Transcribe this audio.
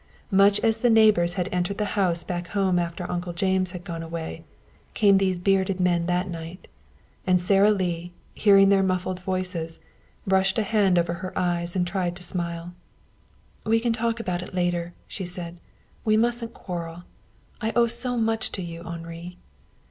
Much as the neighbors had entered the house back home after Uncle James had gone away, came these bearded men that night. And Sara Lee, hearing their muffled voices, brushed a hand over her eyes and tried to smile. "We can talk about it later," she said. "We mustn't quarrel. I owe so much to you, Henri."